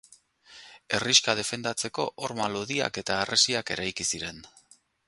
Herrixka defendatzeko horma lodiak edo harresiak eraiki ziren.